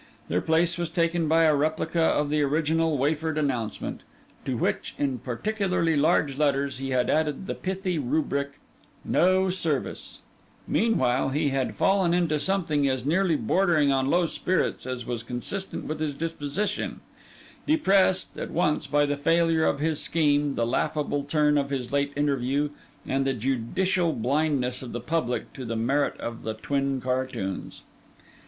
Their place was taken by a replica of the original wafered announcement, to which, in particularly large letters, he had added the pithy rubric: 'No service.' Meanwhile he had fallen into something as nearly bordering on low spirits as was consistent with his disposition; depressed, at once by the failure of his scheme, the laughable turn of his late interview, and the judicial blindness of the public to the merit of the twin cartoons.